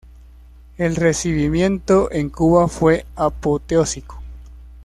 El recibimiento en Cuba fue apoteósico.